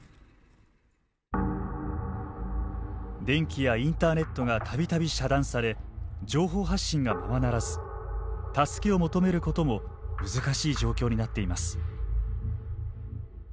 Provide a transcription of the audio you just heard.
電気やインターネットが度々、遮断され情報発信がままならず助けを求めることも難しい状況になっています。